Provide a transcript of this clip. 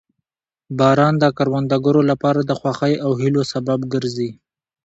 باران د کروندګرو لپاره د خوښۍ او هیلو سبب ګرځي